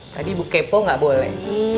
tadi ibu kepo nggak boleh